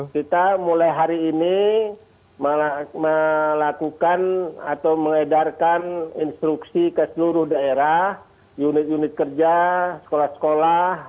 kita mulai hari ini melakukan atau mengedarkan instruksi ke seluruh daerah unit unit kerja sekolah sekolah